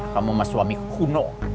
kamu sama suami kuno